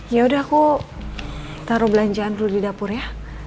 ya udah aku taruh belanjaan dulu di dapur ya